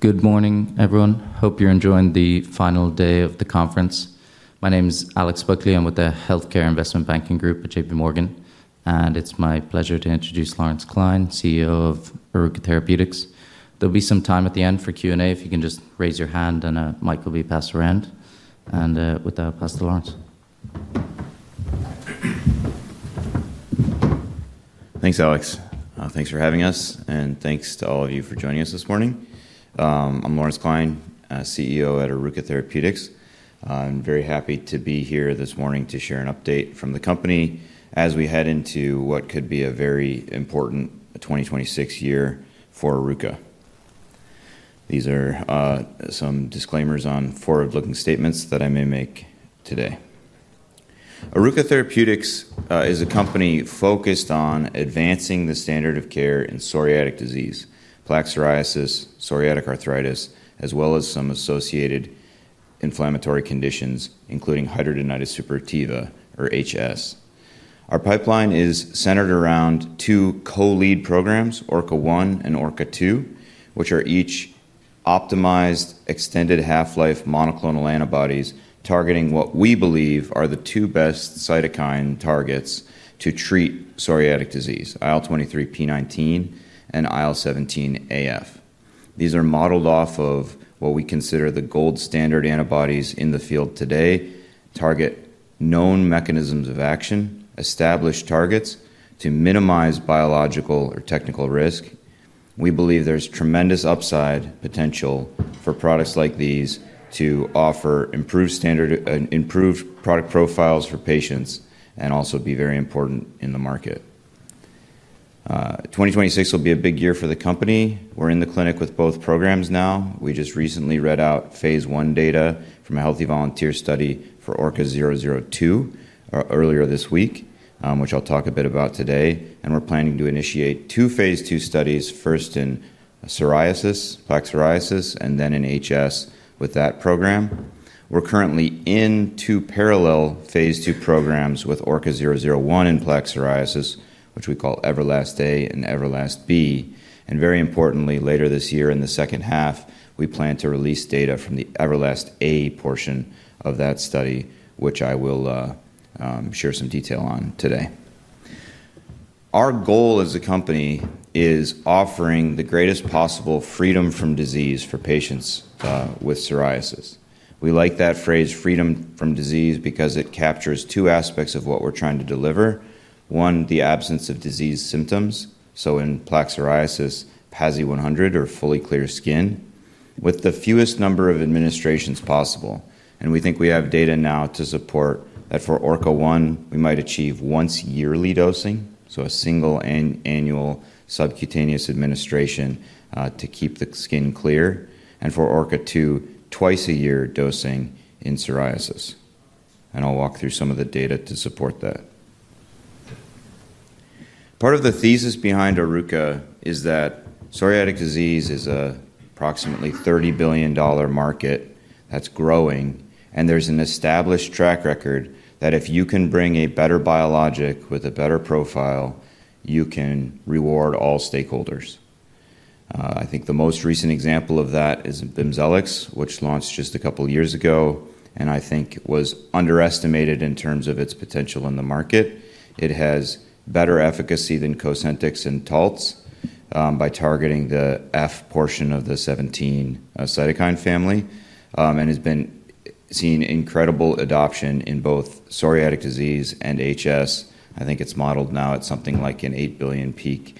Good morning, everyone. Hope you're enjoying the final day of the conference. My name is Alex Buckley. I'm with the Healthcare Investment Banking Group at JPMorgan. And it's my pleasure to introduce Lawrence Klein, CEO of Oruka Therapeutics. There'll be some time at the end for Q&A. If you can just raise your hand, and a mic will be passed around. And with that, I'll pass to Lawrence. Thanks, Alex. Thanks for having us. And thanks to all of you for joining us this morning. I'm Lawrence Klein, CEO at Oruka Therapeutics. I'm very happy to be here this morning to share an update from the company as we head into what could be a very important 2026 year for Oruka. These are some disclaimers on forward-looking statements that I may make today. Oruka Therapeutics is a company focused on advancing the standard of care in psoriatic disease, plaque psoriasis, psoriatic arthritis, as well as some associated inflammatory conditions, including hidradenitis suppurativa, or HS. Our pipeline is centered around two co-lead programs, ORKA-001 and ORKA-002, which are each optimized extended half-life monoclonal antibodies targeting what we believe are the two best cytokine targets to treat psoriatic disease: IL-23p19 and IL-17A/F. These are modeled off of what we consider the gold standard antibodies in the field today, target known mechanisms of action, establish targets to minimize biological or technical risk. We believe there's tremendous upside potential for products like these to offer improved product profiles for patients and also be very important in the market. 2026 will be a big year for the company. We're in the clinic with both programs now. We just recently read out phase I data from a healthy volunteer study for ORKA-002 earlier this week, which I'll talk a bit about today. We're planning to initiate two phase two studies, first in plaque psoriasis and then in HS with that program. We're currently in two parallel phase two programs with ORKA-001 in plaque psoriasis, which we call EVERLAST A and EVERLAST B. Very importantly, later this year in the second half, we plan to release data from the EVERLAST A portion of that study, which I will share some detail on today. Our goal as a company is offering the greatest possible freedom from disease for patients with psoriasis. We like that phrase, freedom from disease, because it captures two aspects of what we're trying to deliver. One, the absence of disease symptoms. In plaque psoriasis, PASI 100 or fully clear skin, with the fewest number of administrations possible. We think we have data now to support that for ORKA-001, we might achieve once yearly dosing, so a single annual subcutaneous administration to keep the skin clear. For ORKA-002, twice a year dosing in psoriasis. I'll walk through some of the data to support that. Part of the thesis behind Oruka is that psoriatic disease is an approximately $30 billion market that's growing. And there's an established track record that if you can bring a better biologic with a better profile, you can reward all stakeholders. I think the most recent example of that is Bimzelx, which launched just a couple of years ago and I think was underestimated in terms of its potential in the market. It has better efficacy than Cosentyx and Taltz by targeting the F portion of the IL-17 cytokine family and has been seeing incredible adoption in both psoriatic disease and HS. I think it's modeled now at something like an $8 billion peak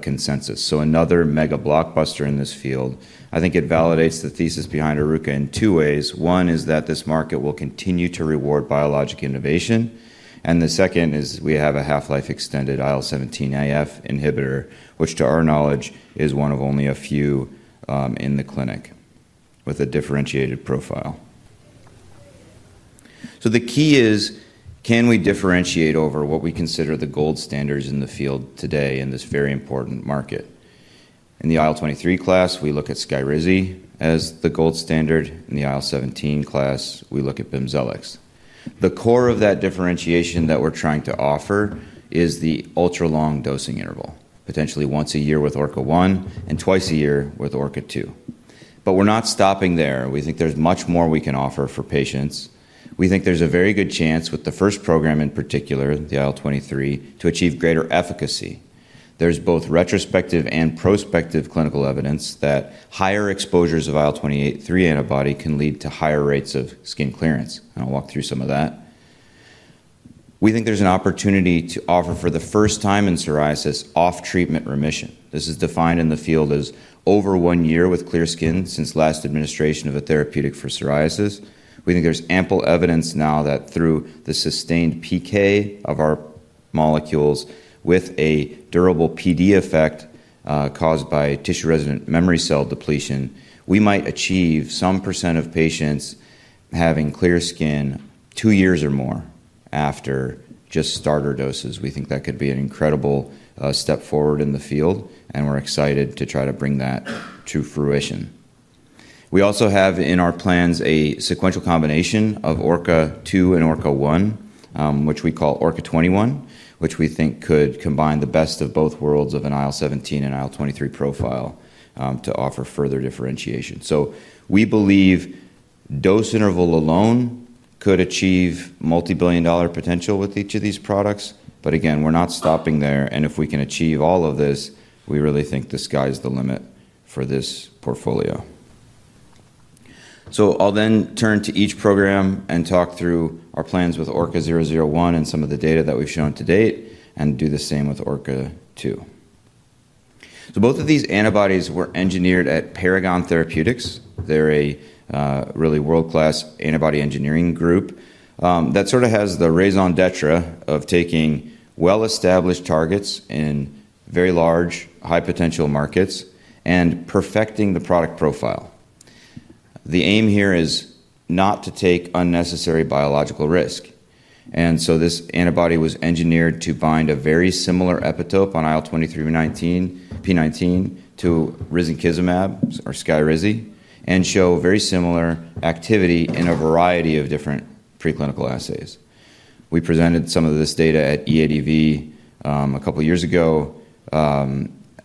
consensus. So another mega blockbuster in this field. I think it validates the thesis behind Oruka in two ways. One is that this market will continue to reward biologic innovation. The second is we have a half-life extended IL-17A/F inhibitor, which to our knowledge is one of only a few in the clinic with a differentiated profile. So the key is, can we differentiate over what we consider the gold standards in the field today in this very important market? In the IL-23 class, we look at Skyrizi as the gold standard. In the IL-17 class, we look at Bimzelx. The core of that differentiation that we're trying to offer is the ultra-long dosing interval, potentially once a year with ORKA-001 and twice a year with ORKA-002. But we're not stopping there. We think there's much more we can offer for patients. We think there's a very good chance with the first program in particular, the IL-23, to achieve greater efficacy. There's both retrospective and prospective clinical evidence that higher exposures of IL-23 antibody can lead to higher rates of skin clearance, and I'll walk through some of that. We think there's an opportunity to offer for the first time in psoriasis off-treatment remission. This is defined in the field as over one year with clear skin since last administration of a therapeutic for psoriasis. We think there's ample evidence now that through the sustained PK of our molecules with a durable PD effect caused by tissue-resident memory cell depletion, we might achieve some percent of patients having clear skin two years or more after just starter doses. We think that could be an incredible step forward in the field, and we're excited to try to bring that to fruition. We also have in our plans a sequential combination of ORKA-002 and ORKA-001, which we call ORKA-021, which we think could combine the best of both worlds of an IL-17 and IL-23 profile to offer further differentiation, so we believe dose interval alone could achieve multi-billion-dollar potential with each of these products. But again, we're not stopping there, and if we can achieve all of this, we really think the sky is the limit for this portfolio, so I'll then turn to each program and talk through our plans with ORKA-001 and some of the data that we've shown to date and do the same with ORKA-002, so both of these antibodies were engineered at Paragon Therapeutics. They're a really world-class antibody engineering group that sort of has the raison d'être of taking well-established targets in very large, high-potential markets and perfecting the product profile. The aim here is not to take unnecessary biological risk, and so this antibody was engineered to bind a very similar epitope on IL-23p19 to risankizumab or Skyrizi and show very similar activity in a variety of different preclinical assays. We presented some of this data at EADV a couple of years ago.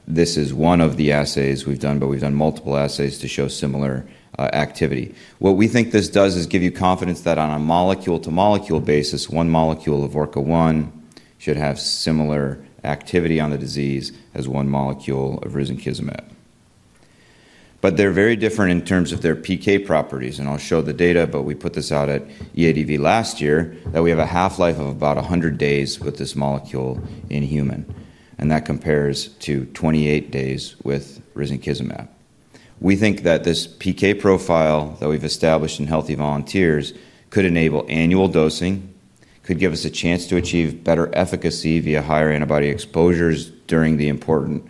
This is one of the assays we've done, but we've done multiple assays to show similar activity. What we think this does is give you confidence that on a molecule-to-molecule basis, one molecule of ORKA-001 should have similar activity on the disease as one molecule of risankizumab, but they're very different in terms of their PK properties. I'll show the data, but we put this out at EADV last year that we have a half-life of about 100 days with this molecule in human. That compares to 28 days with risankizumab. We think that this PK profile that we've established in healthy volunteers could enable annual dosing, could give us a chance to achieve better efficacy via higher antibody exposures during the important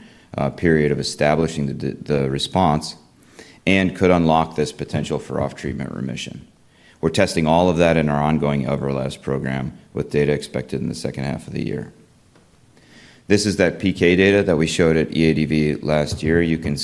period of establishing the response, and could unlock this potential for off-treatment remission. We're testing all of that in our ongoing EVERLAST program with data expected in the second half of the year. This is that PK data that we showed at EADV last year. You can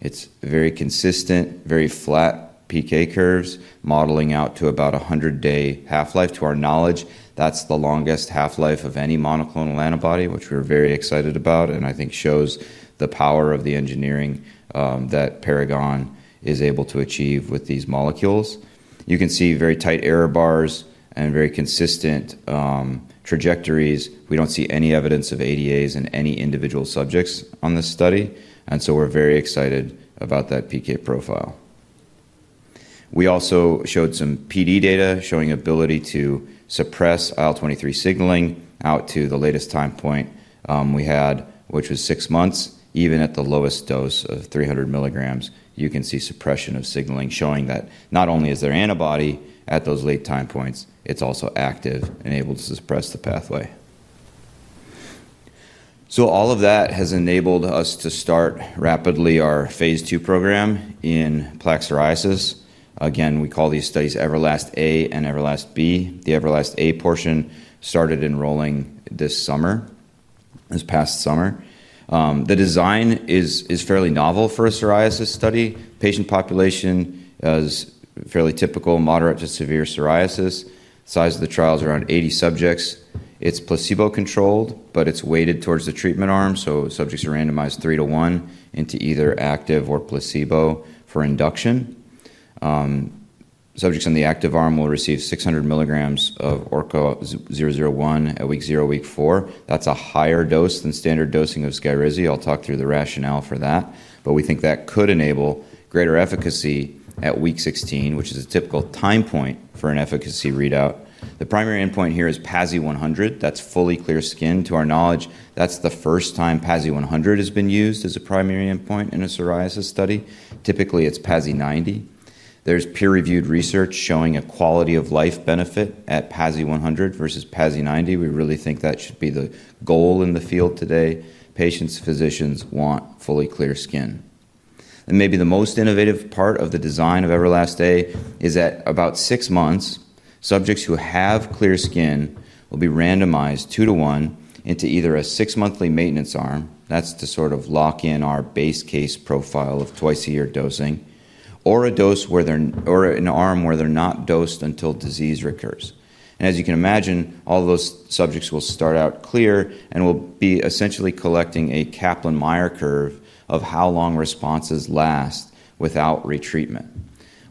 see it's very consistent, very flat PK curves modeling out to about a 100-day half-life. To our knowledge, that's the longest half-life of any monoclonal antibody, which we're very excited about and I think shows the power of the engineering that Paragon is able to achieve with these molecules. You can see very tight error bars and very consistent trajectories. We don't see any evidence of ADAs in any individual subjects on this study, and so we're very excited about that PK profile. We also showed some PD data showing ability to suppress IL-23 signaling out to the latest time point we had, which was six months, even at the lowest dose of 300 milligrams. You can see suppression of signaling showing that not only is there antibody at those late time points, it's also active and able to suppress the pathway, so all of that has enabled us to start rapidly our phase two program in plaque psoriasis. Again, we call these studies EVERLAST-A and EVERLAST-B. The EVERLAST-A portion started enrolling this past summer. The design is fairly novel for a psoriasis study. Patient population is fairly typical, moderate to severe psoriasis. Size of the trial is around 80 subjects. It's placebo-controlled, but it's weighted towards the treatment arm. So subjects are randomized three to one into either active or placebo for induction. Subjects on the active arm will receive 600 milligrams of ORKA-001 at week zero, week four. That's a higher dose than standard dosing of Skyrizi. I'll talk through the rationale for that. But we think that could enable greater efficacy at week 16, which is a typical time point for an efficacy readout. The primary endpoint here is PASI 100. That's fully clear skin. To our knowledge, that's the first time PASI 100 has been used as a primary endpoint in a psoriasis study. Typically, it's PASI 90. There's peer-reviewed research showing a quality of life benefit at PASI 100 versus PASI 90. We really think that should be the goal in the field today. Patients, physicians want fully clear skin. And maybe the most innovative part of the design of EVERLAST-A is that about six months, subjects who have clear skin will be randomized two to one into either a six-monthly maintenance arm. That's to sort of lock in our base case profile of twice a year dosing or an arm where they're not dosed until disease recurs. And as you can imagine, all those subjects will start out clear and will be essentially collecting a Kaplan-Meier curve of how long responses last without retreatment.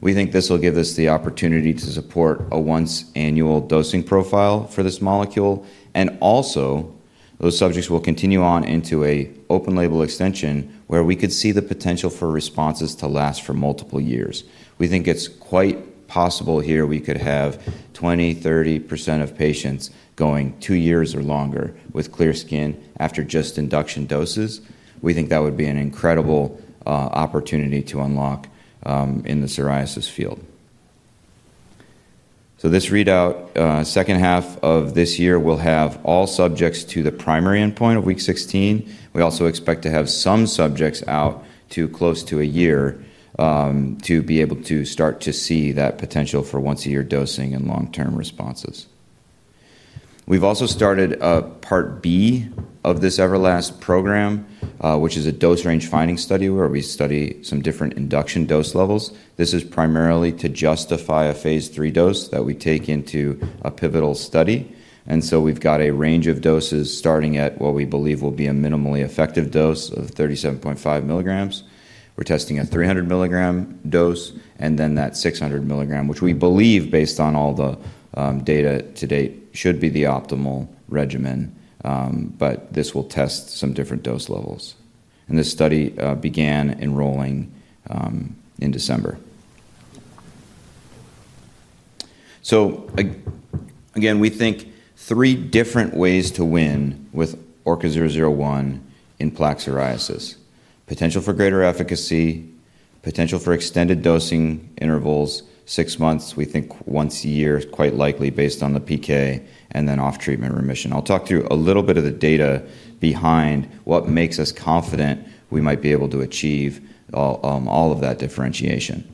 We think this will give us the opportunity to support a once-annual dosing profile for this molecule, and also, those subjects will continue on into an open-label extension where we could see the potential for responses to last for multiple years. We think it's quite possible here we could have 20%-30% of patients going two years or longer with clear skin after just induction doses. We think that would be an incredible opportunity to unlock in the psoriasis field, so this readout, second half of this year, will have all subjects to the primary endpoint of week 16. We also expect to have some subjects out to close to a year to be able to start to see that potential for once-a-year dosing and long-term responses. We've also started a part B of this EVERLAST program, which is a dose range finding study where we study some different induction dose levels. This is primarily to justify a phase III dose that we take into a pivotal study. And so we've got a range of doses starting at what we believe will be a minimally effective dose of 37.5 milligrams. We're testing a 300-milligram dose and then that 600 mg, which we believe, based on all the data to date, should be the optimal regimen. But this will test some different dose levels. And this study began enrolling in December. So again, we think three different ways to win with ORKA-001 in plaque psoriasis: potential for greater efficacy, potential for extended dosing intervals, six months, we think once a year quite likely based on the PK, and then off-treatment remission. I'll talk through a little bit of the data behind what makes us confident we might be able to achieve all of that differentiation.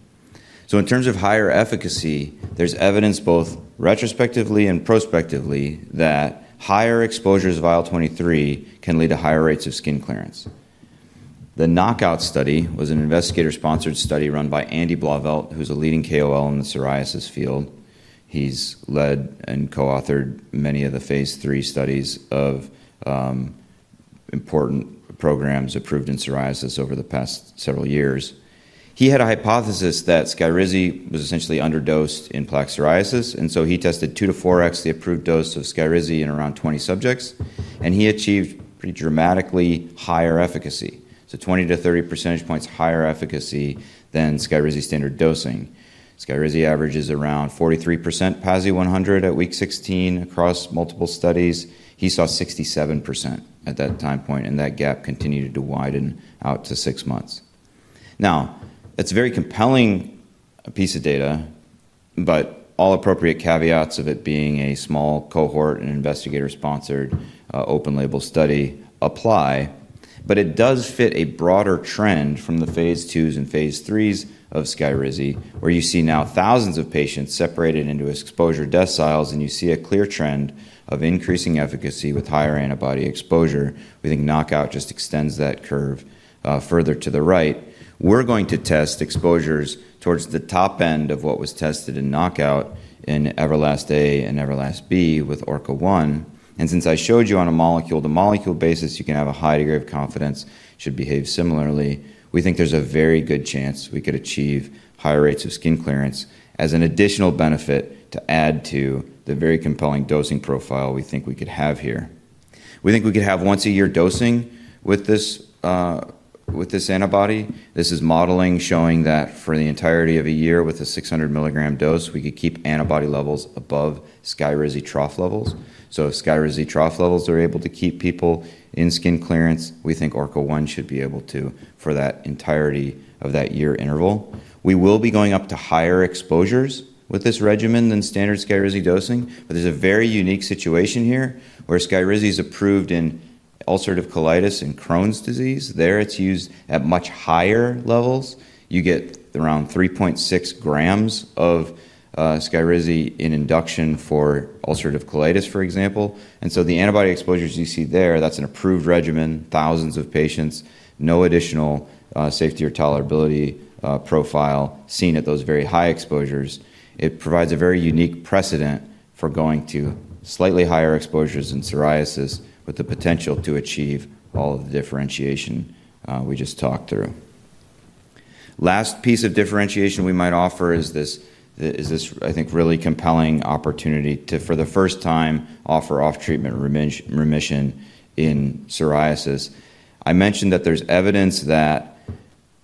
In terms of higher efficacy, there's evidence both retrospectively and prospectively that higher exposures of IL-23 can lead to higher rates of skin clearance. The KNOCKOUT study was an investigator-sponsored study run by Andy Blauvelt, who's a leading KOL in the psoriasis field. He's led and co-authored many of the phase three studies of important programs approved in psoriasis over the past several years. He had a hypothesis that Skyrizi was essentially underdosed in plaque psoriasis. He tested two to four X the approved dose of Skyrizi in around 20 subjects. He achieved pretty dramatically higher efficacy, so 20-30 percentage points higher efficacy than Skyrizi standard dosing. Skyrizi averages around 43% PASI 100 at week 16 across multiple studies. He saw 67% at that time point. And that gap continued to widen out to six months. Now, it's a very compelling piece of data, but all appropriate caveats of it being a small cohort and investigator-sponsored open-label study apply. But it does fit a broader trend from the phase twos and phase threes of Skyrizi, where you see now thousands of patients separated into exposure deciles, and you see a clear trend of increasing efficacy with higher antibody exposure. We think KNOCKOUT just extends that curve further to the right. We're going to test exposures towards the top end of what was tested in KNOCKOUT in EVERLAST-A and EVERLAST-B with ORKA-001. Since I showed you on a molecule-to-molecule basis, you can have a high degree of confidence, should behave similarly, we think there's a very good chance we could achieve higher rates of skin clearance as an additional benefit to add to the very compelling dosing profile we think we could have here. We think we could have once-a-year dosing with this antibody. This is modeling showing that for the entirety of a year with a 600-milligram dose, we could keep antibody levels above Skyrizi trough levels. If Skyrizi trough levels are able to keep people in skin clearance, we think ORKA-001 should be able to for that entirety of that year interval. We will be going up to higher exposures with this regimen than standard Skyrizi dosing. There's a very unique situation here where Skyrizi is approved in ulcerative colitis and Crohn's disease. There, it's used at much higher levels. You get around 3.6 grams of Skyrizi in induction for ulcerative colitis, for example. And so the antibody exposures you see there, that's an approved regimen, thousands of patients, no additional safety or tolerability profile seen at those very high exposures. It provides a very unique precedent for going to slightly higher exposures in psoriasis with the potential to achieve all of the differentiation we just talked through. Last piece of differentiation we might offer is this, I think, really compelling opportunity to, for the first time, offer off-treatment remission in psoriasis. I mentioned that there's evidence that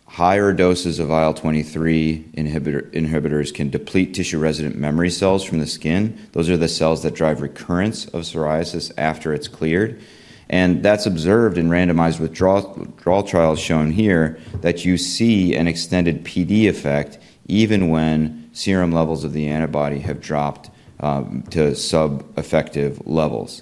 higher doses of IL-23 inhibitors can deplete tissue-resident memory cells from the skin. Those are the cells that drive recurrence of psoriasis after it's cleared. That's observed in randomized withdrawal trials shown here that you see an extended PD effect even when serum levels of the antibody have dropped to sub-effective levels.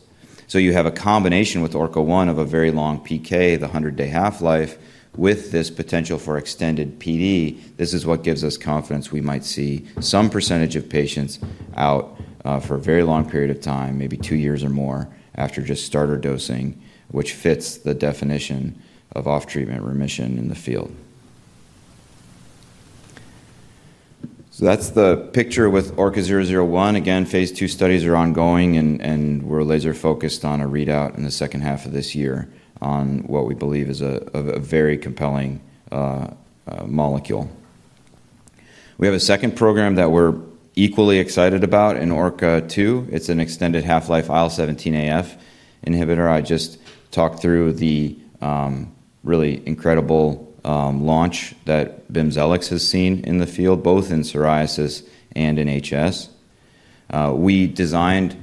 You have a combination with ORKA-001 of a very long PK, the 100-day half-life, with this potential for extended PD. This is what gives us confidence we might see some percentage of patients out for a very long period of time, maybe two years or more after just starter dosing, which fits the definition of off-treatment remission in the field. That's the picture with ORKA-001. Again, phase II studies are ongoing, and we're laser-focused on a readout in the second half of this year on what we believe is a very compelling molecule. We have a second program that we're equally excited about in ORKA-002. It's an extended half-life IL-17A/F inhibitor. I just talked through the really incredible launch that Bimzelx has seen in the field, both in psoriasis and in HS. We designed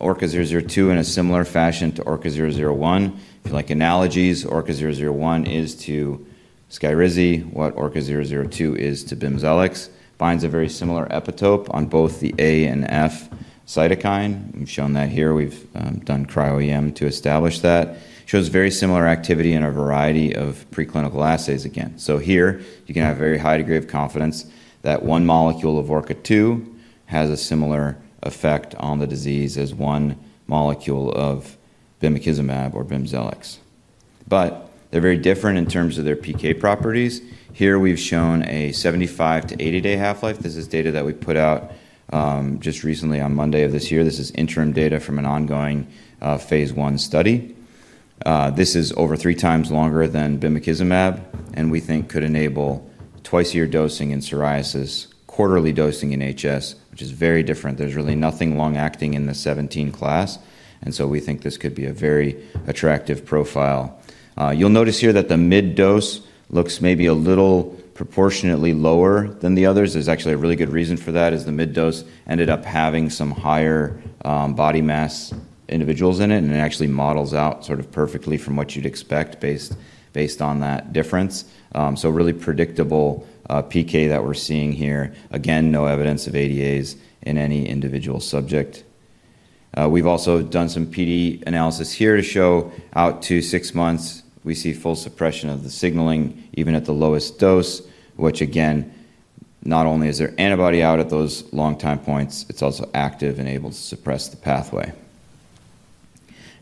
ORKA-002 in a similar fashion to ORKA-001. Like analogies, ORKA-001 is to Skyrizi what ORKA-002 is to Bimzelx. It binds a very similar epitope on both the A and F cytokine. We've shown that here. We've done cryo-EM to establish that. It shows very similar activity in a variety of preclinical assays again. So here, you can have a very high degree of confidence that one molecule of ORKA-002 has a similar effect on the disease as one molecule of bimekizumab or Bimzelx. But they're very different in terms of their PK properties. Here, we've shown a 75-80-day half-life. This is data that we put out just recently on Monday of this year. This is interim data from an ongoing phase I study. This is over three times longer than bimekizumab, and we think could enable twice-a-year dosing in psoriasis, quarterly dosing in HS, which is very different and so we think this could be a very attractive profile. You'll notice here that the mid-dose looks maybe a little proportionately lower than the others. There's actually a really good reason for that, as the mid-dose ended up having some higher body mass individuals in it, and it actually models out sort of perfectly from what you'd expect based on that difference, so really predictable PK that we're seeing here. Again, no evidence of ADAs in any individual subject. We've also done some PD analysis here to show out to six months, we see full suppression of the signaling even at the lowest dose, which again, not only is there antibody out at those long-time points, it's also active and able to suppress the pathway,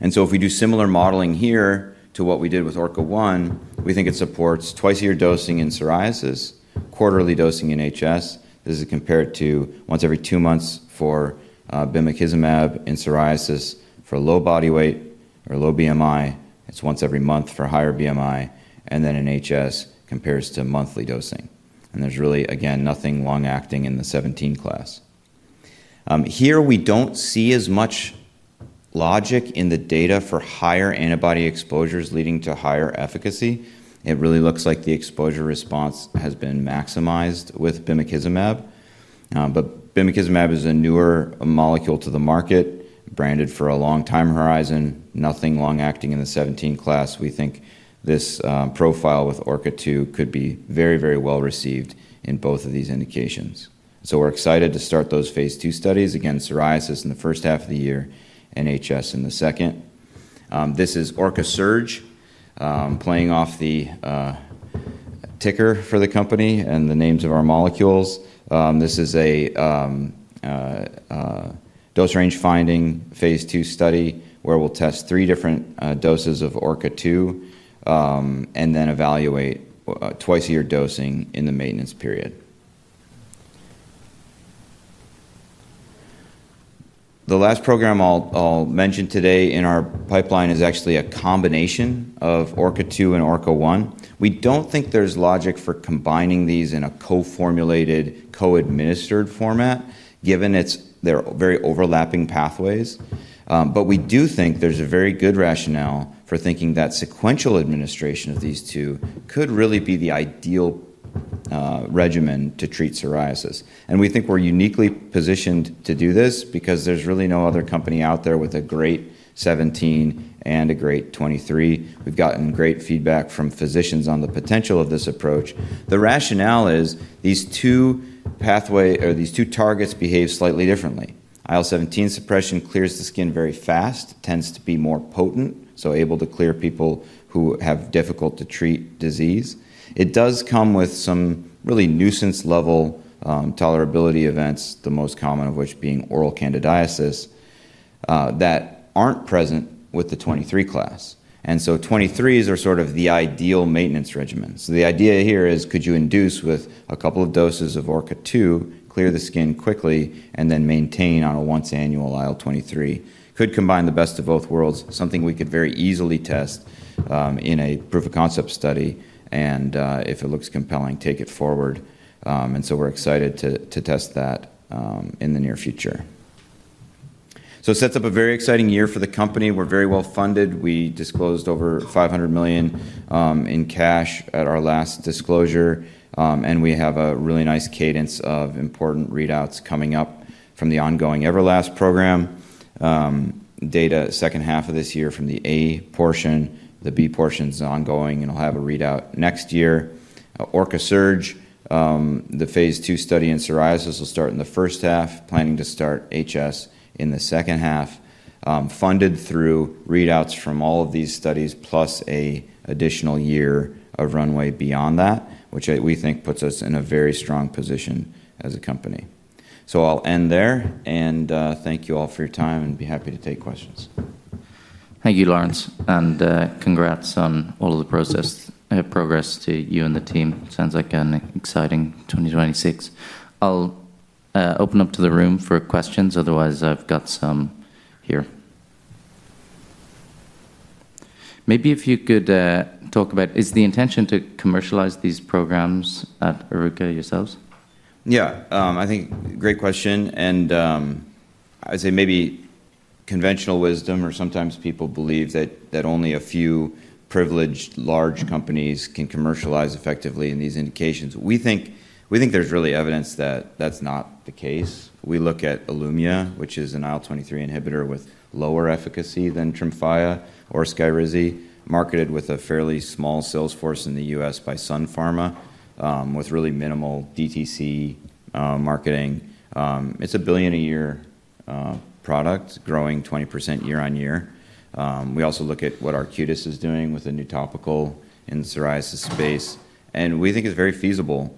and so if we do similar modeling here to what we did with ORKA-001, we think it supports twice-a-year dosing in psoriasis, quarterly dosing in HS. This is compared to once every two months for bimekizumab in psoriasis for low body weight or low BMI. It's once every month for higher BMI, and then in HS, compares to monthly dosing, and there's really, again, nothing long-acting in the 17 class. Here, we don't see as much logic in the data for higher antibody exposures leading to higher efficacy. It really looks like the exposure response has been maximized with bimekizumab. But Bimekizumab is a newer molecule to the market, branded for a long-time horizon, nothing long-acting in the 17 class. We think this profile with ORKA-002 could be very, very well received in both of these indications. So we're excited to start those phase two studies, again, psoriasis in the first half of the year and HS in the second. This is ORKA-SURGE, playing off the ticker for the company and the names of our molecules. This is a dose range finding phase two study where we'll test three different doses of ORKA-002 and then evaluate twice-a-year dosing in the maintenance period. The last program I'll mention today in our pipeline is actually a combination of ORKA-002 and ORKA-001. We don't think there's logic for combining these in a co-formulated, co-administered format, given their very overlapping pathways. But we do think there's a very good rationale for thinking that sequential administration of these two could really be the ideal regimen to treat psoriasis. And we think we're uniquely positioned to do this because there's really no other company out there with a great 17 and a great 23. We've gotten great feedback from physicians on the potential of this approach. The rationale is these two pathways or these two targets behave slightly differently. IL-17 suppression clears the skin very fast, tends to be more potent, so able to clear people who have difficult-to-treat disease. It does come with some really nuisance-level tolerability events, the most common of which being oral candidiasis, that aren't present with the 23 class. And so 23s are sort of the ideal maintenance regimen. The idea here is, could you induce with a couple of doses of ORKA-002, clear the skin quickly, and then maintain on a once-annual IL-23? It could combine the best of both worlds, something we could very easily test in a proof-of-concept study. If it looks compelling, take it forward. We are excited to test that in the near future. It sets up a very exciting year for the company. We are very well funded. We disclosed over $500 million in cash at our last disclosure. We have a really nice cadence of important readouts coming up from the ongoing EVERLAST program data, second half of this year from the A portion. The B portion is ongoing, and we will have a readout next year. ORKA-SURGE, the phase II study in psoriasis, will start in the first half, planning to start HS in the second half, funded through readouts from all of these studies, plus an additional year of runway beyond that, which we think puts us in a very strong position as a company. So I'll end there. And thank you all for your time and I'll be happy to take questions. Thank you, Lawrence. And congrats on all of the progress to you and the team. Sounds like an exciting 2026. I'll open up to the room for questions. Otherwise, I've got some here. Maybe if you could talk about, is the intention to commercialize these programs at Oruka yourselves? Yeah. I think great question. And I'd say maybe conventional wisdom, or sometimes people believe that only a few privileged large companies can commercialize effectively in these indications. We think there's really evidence that that's not the case. We look at Ilumya, which is an IL-23 inhibitor with lower efficacy than Tremfya or Skyrizi, marketed with a fairly small sales force in the U.S. by Sun Pharma, with really minimal DTC marketing. It's a $1 billion-a-year product, growing 20% year-on-year. We also look at what Arcutis is doing with a new topical in the psoriasis space. And we think it's very feasible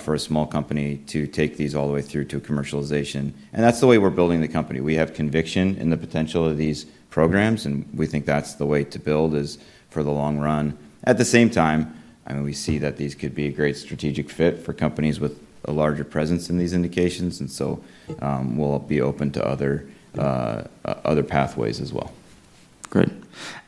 for a small company to take these all the way through to commercialization. And that's the way we're building the company. We have conviction in the potential of these programs, and we think that's the way to build is for the long run. At the same time, I mean, we see that these could be a great strategic fit for companies with a larger presence in these indications. And so we'll be open to other pathways as well. Great,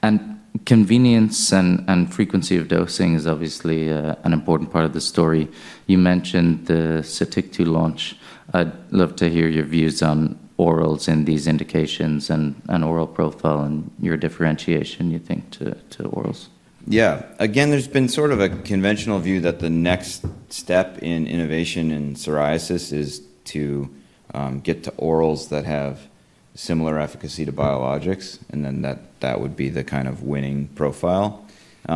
and convenience and frequency of dosing is obviously an important part of the story. You mentioned the Sotyktu launch. I'd love to hear your views on orals in these indications and oral profile and your differentiation, you think, to orals? Yeah. Again, there's been sort of a conventional view that the next step in innovation in psoriasis is to get to orals that have similar efficacy to biologics, and then that would be the kind of winning profile.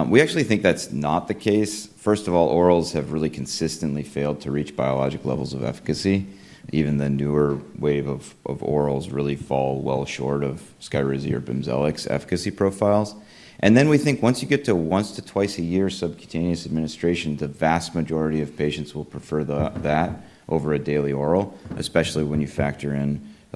We actually think that's not the case. First of all, orals have really consistently failed to reach biologic levels of efficacy. Even the newer wave of orals really fall well short of Skyrizi or Bimzelx efficacy profiles, and then we think once you get to once- to twice-a-year subcutaneous administration, the vast majority of patients will prefer that over a daily oral, especially when you factor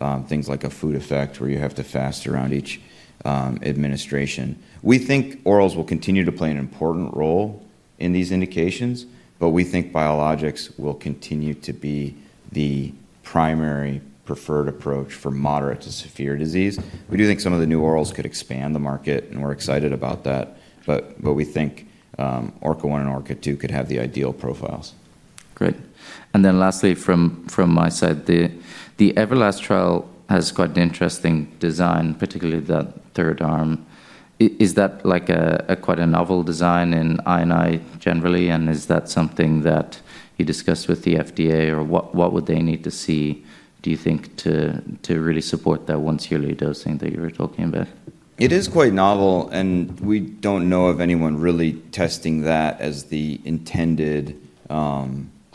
in things like a food effect where you have to fast around each administration. We think orals will continue to play an important role in these indications, but we think biologics will continue to be the primary preferred approach for moderate to severe disease. We do think some of the new orals could expand the market, and we're excited about that. But we think ORKA-001 and ORKA-002 could have the ideal profiles. Great. And then lastly, from my side, the EVERLAST trial has quite an interesting design, particularly that third arm. Is that quite a novel design in I&I generally? And is that something that you discussed with the FDA? Or what would they need to see, do you think, to really support that once-yearly dosing that you were talking about? It is quite novel, and we don't know of anyone really testing that as the intended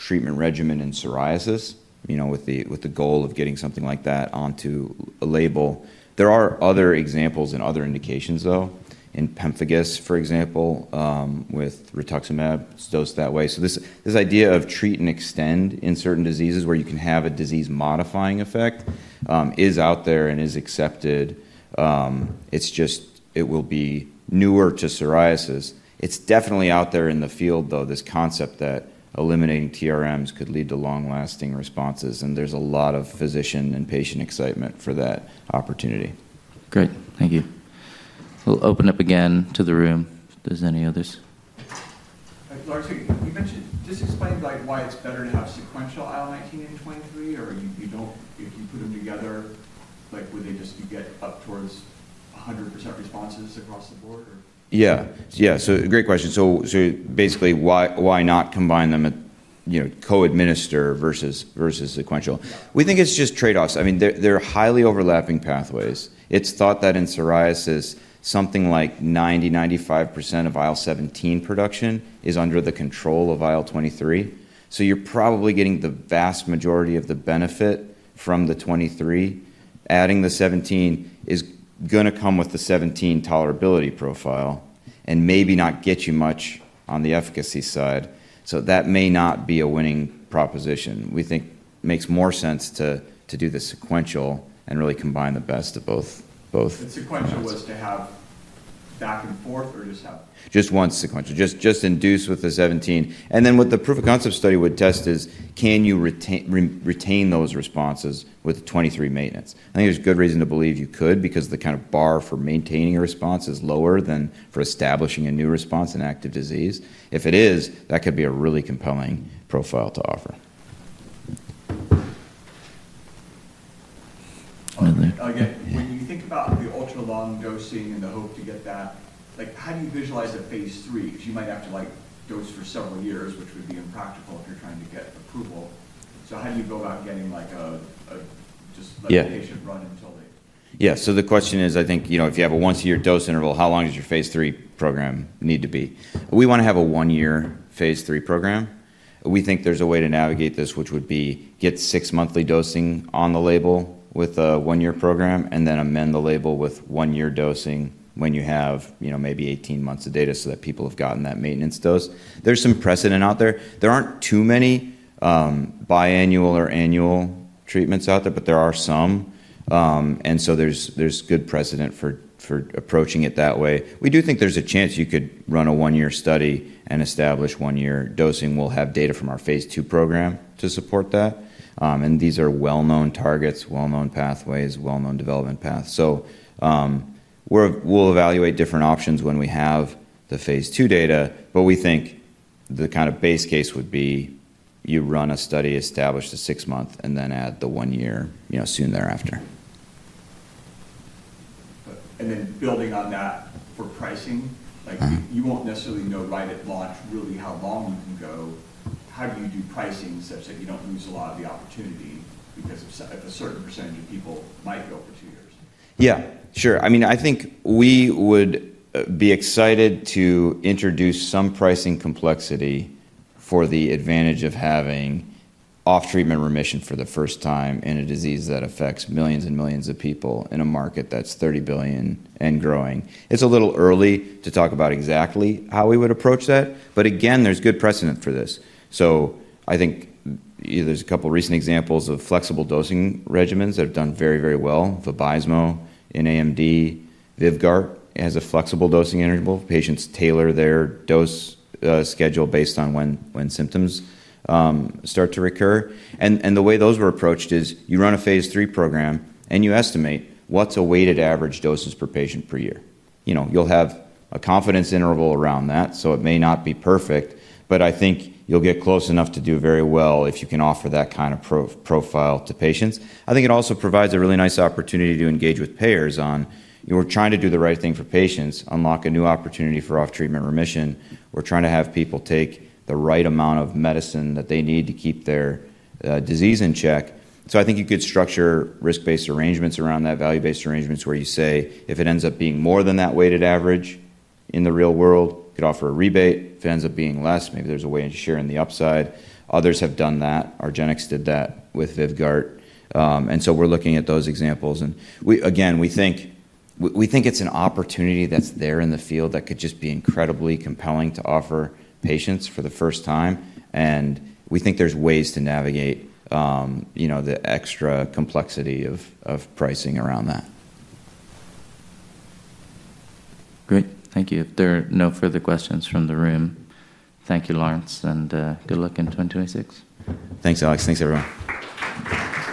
treatment regimen in psoriasis with the goal of getting something like that onto a label. There are other examples and other indications, though, in pemphigus, for example, with rituximab dosed that way. So this idea of treat and extend in certain diseases where you can have a disease-modifying effect is out there and is accepted. It's just it will be newer to psoriasis. It's definitely out there in the field, though, this concept that eliminating TRMs could lead to long-lasting responses. There's a lot of physician and patient excitement for that opportunity. Great. Thank you. We'll open up again to the room if there's any others. Lawrence, can you just explain why it's better to have sequential IL-17 and 23? Or if you put them together, would they just get up towards 100% responses across the board? Yeah. Yeah. So great question. So basically, why not combine them? Co-administer versus sequential. We think it's just trade-offs. I mean, they're highly overlapping pathways. It's thought that in psoriasis, something like 90%-95% of IL-17 production is under the control of IL-23. So you're probably getting the vast majority of the benefit from the 23. Adding the 17 is going to come with the 17 tolerability profile and maybe not get you much on the efficacy side. So that may not be a winning proposition. We think it makes more sense to do the sequential and really combine the best of both. The sequential was to have back and forth or just have? Just once sequential. Just induce with the 17. And then what the proof-of-concept study would test is, can you retain those responses with 23 maintenance? I think there's good reason to believe you could because the kind of bar for maintaining a response is lower than for establishing a new response in active disease. If it is, that could be a really compelling profile to offer. When you think about the ultra-long dosing and the hope to get that, how do you visualize a phase III? Because you might have to dose for several years, which would be impractical if you're trying to get approval. So how do you go about getting just a patient run until they? Yeah. So the question is, I think, if you have a once-a-year dose interval, how long does your phase III program need to be? We want to have a one-year phase three program. We think there's a way to navigate this, which would be get six-monthly dosing on the label with a one-year program and then amend the label with one-year dosing when you have maybe 18 months of data so that people have gotten that maintenance dose. There's some precedent out there. There aren't too many biannual or annual treatments out there, but there are some. And so there's good precedent for approaching it that way. We do think there's a chance you could run a one-year study and establish one-year dosing. We'll have data from our phase II program to support that. And these are well-known targets, well-known pathways, well-known development paths. So we'll evaluate different options when we have the phase II data. But we think the kind of base case would be you run a study, establish the six-month, and then add the one-year soon thereafter. Then building on that for pricing, you won't necessarily know right at launch really how long you can go. How do you do pricing such that you don't lose a lot of the opportunity because a certain percentage of people might go for two years? Yeah. Sure. I mean, I think we would be excited to introduce some pricing complexity for the advantage of having off-treatment remission for the first time in a disease that affects millions and millions of people in a market that's $30 billion and growing. It's a little early to talk about exactly how we would approach that. But again, there's good precedent for this. So I think there's a couple of recent examples of flexible dosing regimens that have done very, very well. Vabysmo in AMD, Vyvgart has a flexible dosing interval. Patients tailor their dose schedule based on when symptoms start to recur. And the way those were approached is you run a phase three program and you estimate what's a weighted average doses per patient per year. You'll have a confidence interval around that, so it may not be perfect. But I think you'll get close enough to do very well if you can offer that kind of profile to patients. I think it also provides a really nice opportunity to engage with payers on. We're trying to do the right thing for patients, unlock a new opportunity for off-treatment remission. We're trying to have people take the right amount of medicine that they need to keep their disease in check. So I think you could structure risk-based arrangements around that, value-based arrangements where you say, if it ends up being more than that weighted average in the real world, you could offer a rebate. If it ends up being less, maybe there's a way to share in the upside. Others have done that. Argenx did that with Vyvgart. And so we're looking at those examples. Again, we think it's an opportunity that's there in the field that could just be incredibly compelling to offer patients for the first time. We think there's ways to navigate the extra complexity of pricing around that. Great. Thank you. If there are no further questions from the room, thank you, Lawrence, and good luck in 2026. Thanks, Alex. Thanks, everyone.